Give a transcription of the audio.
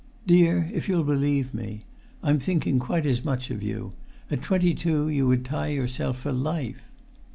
"Dear, if you'll believe me, I'm thinking quite as much of you. At twenty two you would tie yourself for life!"